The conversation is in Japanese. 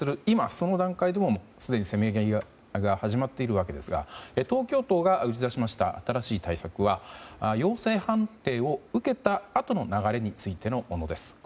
今その段階でもすでにせめぎ合いが始まっているわけですが東京都が打ち出しました新しい対策は陽性判定を受けたあとの流れについてのものです。